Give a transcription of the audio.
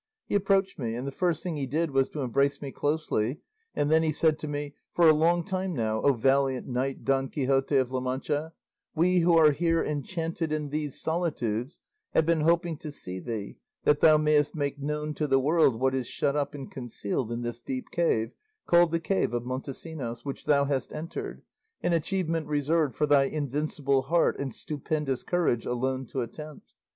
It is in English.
He approached me, and the first thing he did was to embrace me closely, and then he said to me, 'For a long time now, O valiant knight Don Quixote of La Mancha, we who are here enchanted in these solitudes have been hoping to see thee, that thou mayest make known to the world what is shut up and concealed in this deep cave, called the cave of Montesinos, which thou hast entered, an achievement reserved for thy invincible heart and stupendous courage alone to attempt.